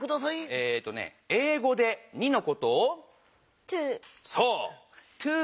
えとねえい語で「２」のことを？